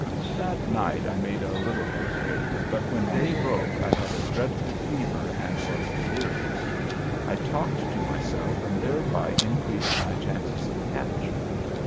That night I made a little headway, but when day broke I had a dreadful fever and was delirious. I talked to myself and thereby increased my chances of capture.